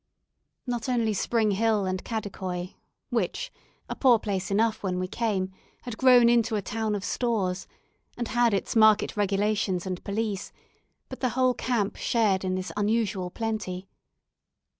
Not only Spring Hill and Kadikoi, which a poor place enough when we came had grown into a town of stores, and had its market regulations and police, but the whole camp shared in this unusual plenty.